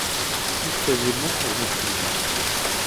Il faisait beau quand je me suis levé.